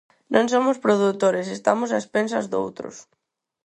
Non somos produtores, estamos a expensas doutros.